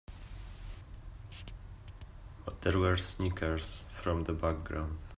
There were snickers from the background.